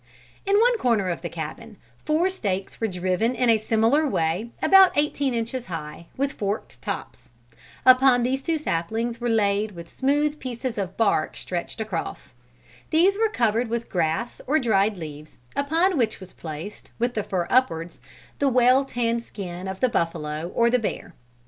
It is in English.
In one corner of the cabin, four stakes were driven in a similar way, about eighteen inches high, with forked tops. Upon these two saplings were laid with smooth pieces of bark stretched across. These were covered with grass or dried leaves, upon which was placed, with the fur upwards, the well tanned skin of the buffalo or the bear.